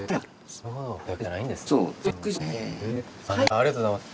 ありがとうございます。